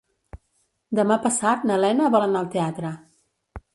Demà passat na Lena vol anar al teatre.